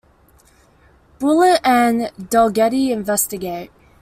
Bullitt and Delgetti investigate.